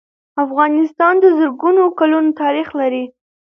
افغانستان د زرګونو کلونو تاریخ لري.